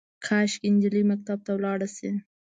کاشکي، نجلۍ مکتب ته ولاړه شي